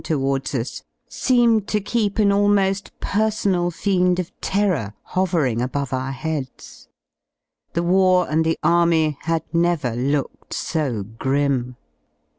towards us, seemed to keep an almo^ personal fiendof terror hovering above our heads. Thewarandthe ^ Army had never looked so grim.